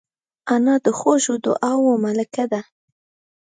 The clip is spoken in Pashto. انا د خوږو دعاوو ملکه ده